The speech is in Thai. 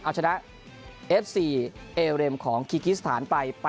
เอาชนะเอฟซีเอเรมของคีกิสถานไป